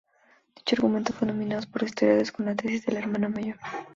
Dicho argumento fue denominado por los historiadores como la tesis de la ""hermana mayor"".